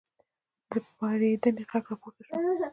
د پارېدنې غږ راپورته شو.